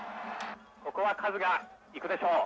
ここはカズがいくでしょう」。